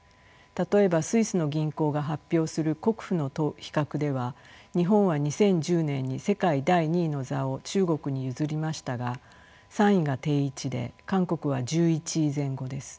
例えばスイスの銀行が発表する国富の比較では日本は２０１０年に世界第２位の座を中国に譲りましたが３位が定位置で韓国は１１位前後です。